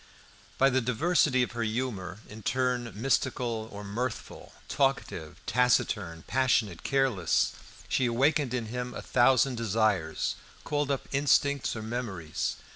By the diversity of her humour, in turn mystical or mirthful, talkative, taciturn, passionate, careless, she awakened in him a thousand desires, called up instincts or memories.